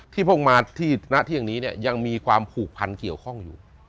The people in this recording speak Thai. เพิ่งมาที่ณเที่ยงนี้เนี่ยยังมีความผูกพันเกี่ยวข้องอยู่